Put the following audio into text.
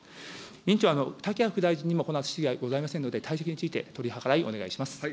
委員長、竹谷副大臣にも、このあと質疑はございませんので、退席について取り計らいお願いします。